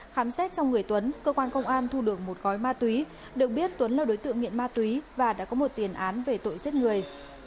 khám xét trong người tuấn cơ quan công an thu được một gói ma túy được biết tuấn là đối tượng nghiện ma túy và đã có một tiền án về tội giết người